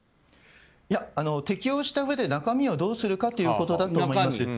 いや、適用したうえで中身をどうするかということだと思います。